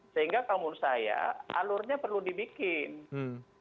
sehingga kamu saya alurnya perlu dibikin